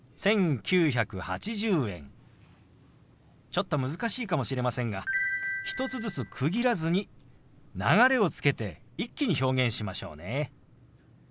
ちょっと難しいかもしれませんが１つずつ区切らずに流れをつけて一気に表現しましょうね。